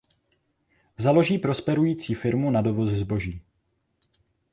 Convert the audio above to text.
Založí prosperující firmu na dovoz zboží.